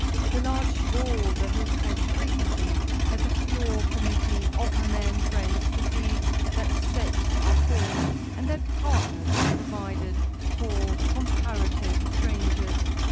At a large ball the hostess frequently has a floor committee of her men friends to see that sets are formed and that partners are provided for comparative strangers.